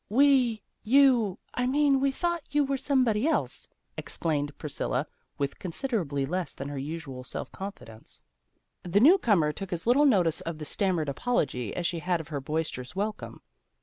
" We you I mean we thought you were somebody else," explained Priscilla, with con siderably less than her usual self confidence. 6 THE GIRLS OF FRIENDLY TERRACE The newcomer took as little notice of the stammered apology as she had of her boister ous welcome.